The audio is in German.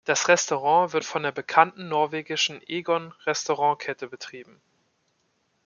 Das Restaurant wird von der bekannten norwegischen Egon Restaurantkette betrieben.